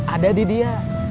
ada di dia